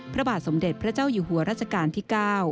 พระบาทสมเด็จพระเจ้าอยู่หัวรัชกาลที่๙